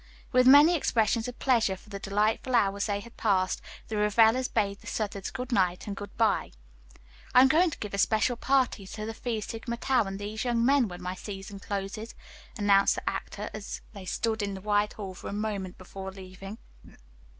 With many expressions of pleasure for the delightful hours they had passed, the revelers bade the Southards good night and good bye. "I am going to give a special party to the Phi Sigma Tau and these young men, when my season closes," announced the actor as they stood in the wide hall for a moment before leaving.